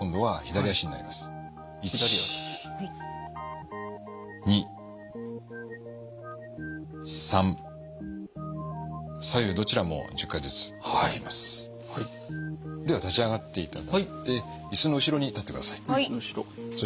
はい。